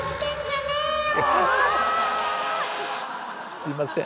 すいません。